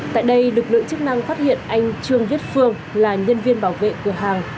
tại đây lực lượng chức năng phát hiện anh trương viết phương là nhân viên bảo vệ cửa hàng